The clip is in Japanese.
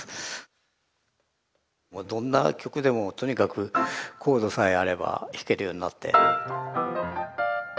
もうどんな曲でもとにかくコードさえあれば弾けるようになって。